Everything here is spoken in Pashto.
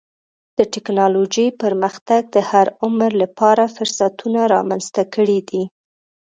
د ټکنالوجۍ پرمختګ د هر عمر لپاره فرصتونه رامنځته کړي دي.